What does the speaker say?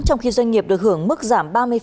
trong khi doanh nghiệp được hưởng mức giảm ba mươi